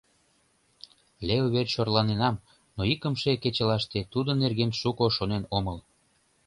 Лео верч орланенам, но икымше кечылаште тудын нерген шуко шонен омыл.